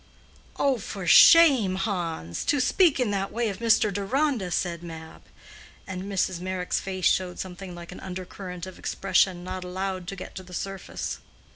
"Oh, for shame, Hans!—to speak in that way of Mr. Deronda," said Mab. And Mrs. Meyrick's face showed something like an under current of expression not allowed to get to the surface.